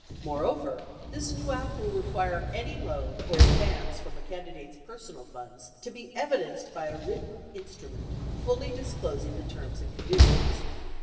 Moreover, this new Act will require any loan or advance from a candidate's personal funds to be evidenced by a written instrument fully disclosing the terms and conditions.